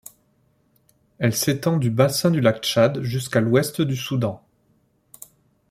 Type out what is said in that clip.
Elle s'étend du bassin du Lac Tchad jusqu'à l'ouest du Soudan.